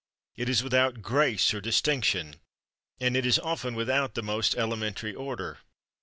It is without grace or distinction and it is often without the most elementary order.